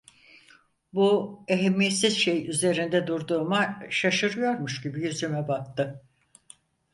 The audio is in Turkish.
Bu ehemmiyetsiz şey üzerinde durduğuma şaşıyormuş gibi yüzüme baktı.